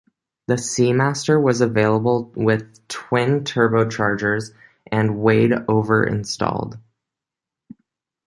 The Seamaster was available with twin turbochargers, and weighed over installed.